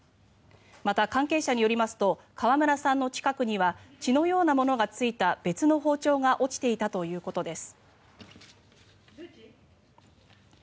また、関係者によりますと川村さんの近くには血のようなものがついた別の包丁が落ちていたということです。